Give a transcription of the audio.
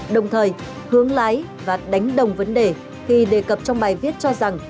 đồng thời hướng lái và đánh đồng vấn đề khi đề cập trong bài viết cho rằng